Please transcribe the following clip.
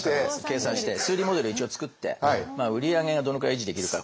計算して数理モデルを一応作って売り上げがどのくらい維持できるか。